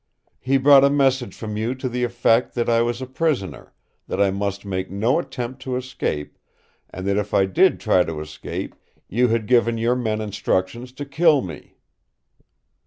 "He brought a message from you to the effect that I was a prisoner, that I must make no attempt to escape, and that if I did try to escape, you had given your men instructions to kill me."